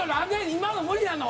今の無理なの？